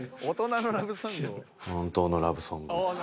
大人のラブソングを。